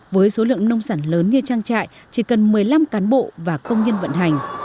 với số lượng nông sản lớn như trang trại chỉ cần một mươi năm cán bộ và công nhân vận hành